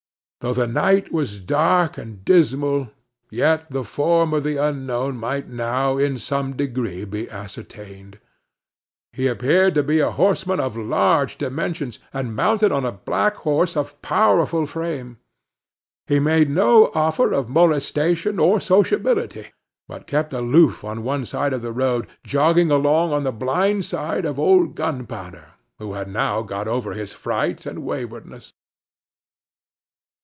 Though the night was dark and dismal, yet the form of the unknown might now in some degree be ascertained. He appeared to be a horseman of large dimensions, and mounted on a black horse of powerful frame. He made no offer of molestation or sociability, but kept aloof on one side of the road, jogging along on the blind side of old Gunpowder, who had now got over his fright and waywardness.